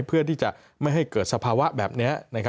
เพื่อที่จะไม่ให้เกิดสภาวะแบบนี้